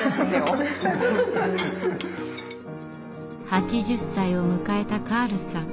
８０歳を迎えたカールさん。